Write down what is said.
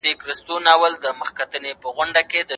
دوی د ښځو د حقوقو لپاره ږغ پورته کړ.